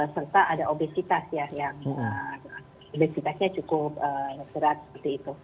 serta ada obesitas ya yang obesitasnya cukup berat